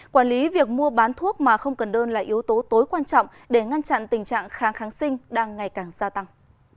quản lý việc mua bán thuốc mà không cần đơn là yếu tố tối quan trọng để ngăn chặn tình trạng kháng kháng sinh đang ngày càng gia tăng